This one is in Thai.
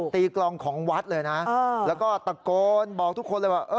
กลองของวัดเลยนะแล้วก็ตะโกนบอกทุกคนเลยว่า